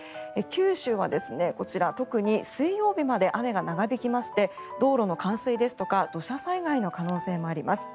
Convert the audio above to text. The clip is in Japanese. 九州は特に水曜日まで雨が長引きまして道路の冠水ですとか土砂災害の可能性もあります。